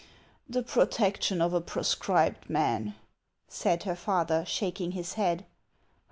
" The protection of a proscribed man '" said her father, shaking his head.